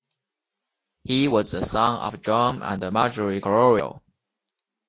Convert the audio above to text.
He was the son of John and Margery Criol.